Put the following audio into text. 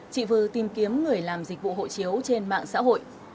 chị vư tìm kiếm người làm dịch vụ hộ chiếu trên mạng xã hội